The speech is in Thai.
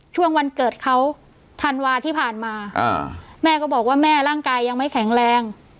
ช่วงวันเกิดเขาธันวาที่ผ่านมาแม่ก็บอกว่าแม่ร่างกายยังไม่แข็งแรง